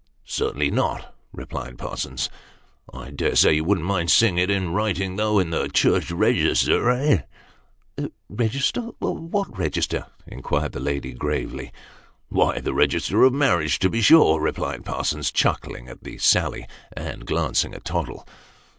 " Certainly not," replied Parsons. " I dare say you wouldn't mind seeing it in writing, though, in the church register eh ?"" Register ! What register ?" inquired the lady gravely. "Why, the register of marriages, to be sure," replied Parsons, chuckling at the sally, and glancing at Tottle.